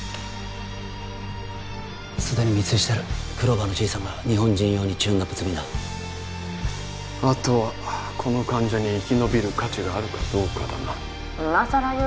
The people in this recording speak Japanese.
すでに密輸してるクローバーのじいさんが日本人用にチューンナップ済みだあとはこの患者に生き延びる価値があるかどうかだな今更言う？